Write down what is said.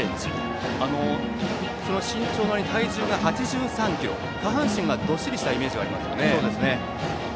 その身長の割りに体重が８３ｋｇと下半身がどっしりしたイメージがあります。